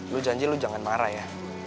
lu janji lu jangan marah ya